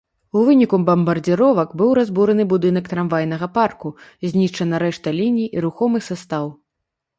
У выніку бамбардзіровак быў разбураны будынак трамвайнага парку, знішчана рэшта ліній і рухомы састаў.